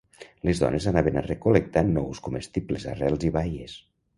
Les dones anaven a recol·lectar nous comestibles, arrels i baies.